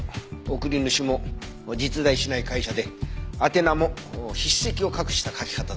送り主も実在しない会社で宛名も筆跡を隠した書き方だったよ。